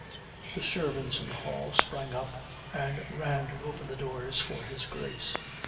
The servants in the hall sprang up and ran to open the doors for His Grace.